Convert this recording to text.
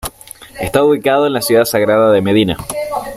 Está ubicada en la ciudad sagrada de Medina.